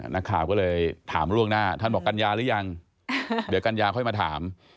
นักข่าวก็เลยถามล่วงหน้าท่านบอกกัญญาหรือยังเดี๋ยวกัญญาค่อยมาถาม